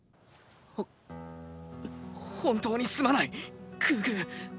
ほ本当にすまないグーグー。